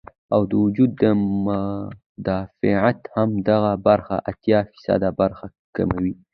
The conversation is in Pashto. او د وجود مدافعت هم دغه بره اتيا فيصده برخه کموي